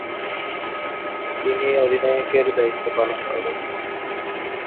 তিনি অধিনায়কের দায়িত্ব পালন করেছেন।